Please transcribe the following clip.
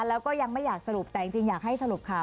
แล้วก็ยังไม่อยากสรุปแต่จริงอยากให้สรุปค่ะ